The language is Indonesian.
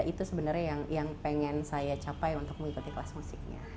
itu sebenarnya yang pengen saya capai untuk mengikuti kelas musiknya